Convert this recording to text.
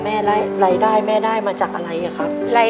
รายได้แม่ได้มาจากอะไรครับ